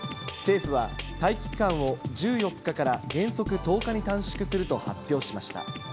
政府は、待機期間を１４日から原則１０日に短縮すると発表しました。